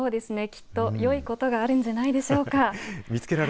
きっといいことがあるのではないでしょうか。